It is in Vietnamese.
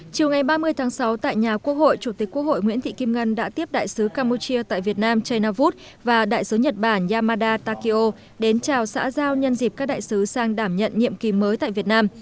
chiều ngày ba mươi tháng sáu tại nhà quốc hội chủ tịch quốc hội nguyễn thị kim ngân đã tiếp đại sứ campuchia tại việt nam chaynavut và đại sứ nhật bản yamada takio đến chào xã giao nhân dịp các đại sứ sang đảm nhận nhiệm kỳ mới tại việt nam